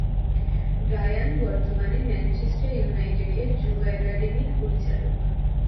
Brian বর্তমানে Manchester ইউনাইটেডের যুব অ্যাকাডেমির পরিচালক।